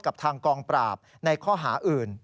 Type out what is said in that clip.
กับทางกองปราบในข้อหาอื่น